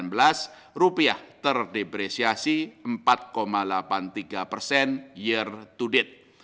level akhir tahun dua ribu sembilan belas rupiah terdepresiasi empat delapan puluh tiga persen year to date